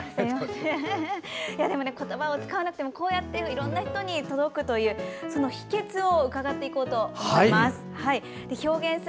でも、言葉を使わなくてもこうしていろんな人に届くというその秘けつを伺っていこうと思います。